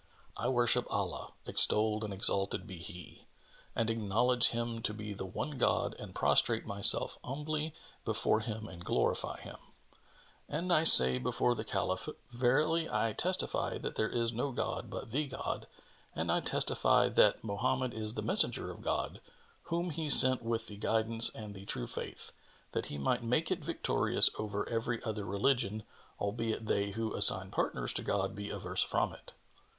I worship Allah (extolled and exalted be He!) and acknowledge Him to be the One God and prostrate myself humbly before Him and glorify Him; and I say before the Caliph, 'Verily , I testify that there is no god but the God and I testify that Mohammed is the Messenger of God, whom He sent with the Guidance and the True Faith, that He might make it victorious over every other religion, albeit they who assign partners to God be averse from it.'